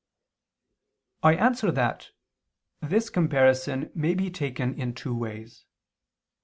I answer that, This comparison may be taken in two ways.